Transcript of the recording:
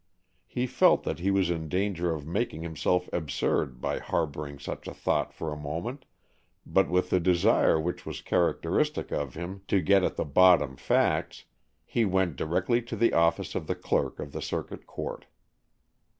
He felt that he was in danger of making himself absurd by harboring such a thought for a moment, but with the desire which was characteristic of him to get at the bottom facts, he went directly to the office of the clerk of the Circuit Court.